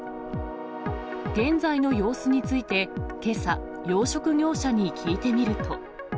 現在の様子についてけさ、養殖業者に聞いてみると。